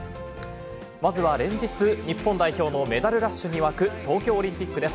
まずは連日、日本代表のメダルラッシュに沸く東京オリンピックです。